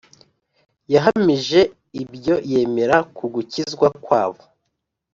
Yahamije ibyo yemera ku gukizwa kwabo,